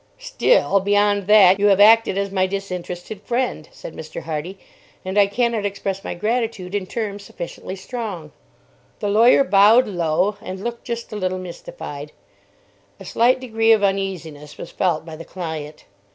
"Still, beyond that, you have acted as my disinterested friend," said Mr. Hardy; "and I cannot express my gratitude in terms sufficiently strong." The lawyer bowed low, and looked just a little mistified. A slight degree of uneasiness was felt by the client.